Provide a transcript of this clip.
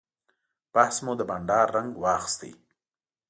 بحث مو د بانډار رنګ واخیست.